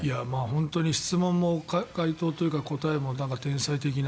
本当に質問も回答というか答えも天才的な。